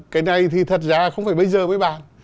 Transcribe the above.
cái này thì thật ra không phải bây giờ mới bàn